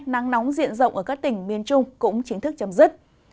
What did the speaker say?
nắng nóng diện rộng ở các tỉnh miền trung cũng chính thức chấm dứt